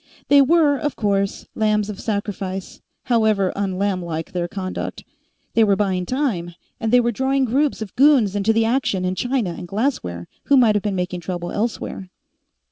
They were, of course, lambs of sacrifice, however unlamblike their conduct. They were buying time, and they were drawing groups of goons into the action in China and Glassware who might have been making trouble elsewhere.